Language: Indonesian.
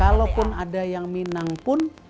kalau pun ada yang minang pun